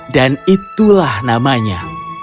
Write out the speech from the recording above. dan itulah namanya